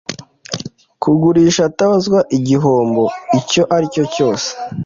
kugurisha atabazwa igihombo icyo aricyo cyose